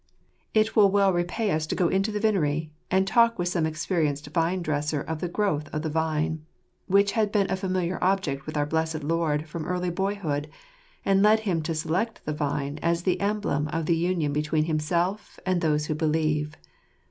We Jfrmtful Wtxtz. 155 It will well repay us to go into the vinery, and talk with some experienced vine dresser of the growth of the vine, which had been a familiar object with our blessed Lord from early boyhood, and led Him to select the vine as the emblem of the union between Himself and those who believe.